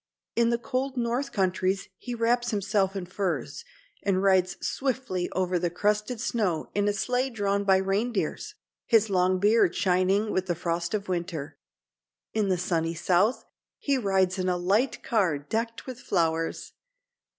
In the cold north countries he wraps himself in furs, and rides swiftly over the crusted snow in a sleigh drawn by reindeers, his long beard shining with the frost of winter. In the sunny South he rides in a light car decked with flowers.